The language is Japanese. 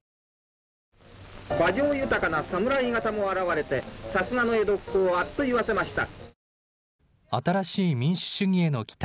馬上豊かな侍型も現れて、さすがの江戸っ子をあっと言わせました。